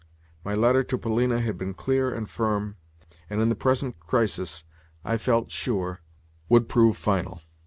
My letter to Polina had been clear and firm, and in the present crisis, I felt sure, would prove final.